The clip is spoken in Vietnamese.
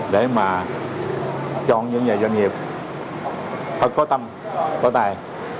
để mà chọn những nhà doanh nghiệp thật có tâm có tài